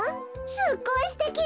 すっごいすてき！